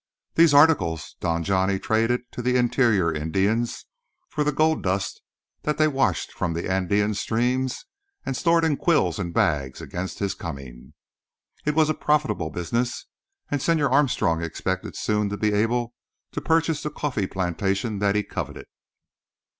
These articles Don Johnny traded to the interior Indians for the gold dust that they washed from the Andean streams and stored in quills and bags against his coming. It was a profitable business, and Señor Armstrong expected soon to be able to purchase the coffee plantation that he coveted.